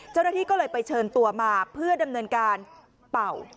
เจ้าหน้าที่ก็เลยไปเชิญตัวมาเพื่อดำเนินการเป่า